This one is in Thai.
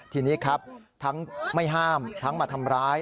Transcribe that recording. ทีนี้ครับทั้งไม่ห้ามทั้งมาทำร้าย